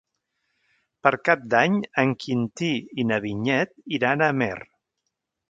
Per Cap d'Any en Quintí i na Vinyet iran a Amer.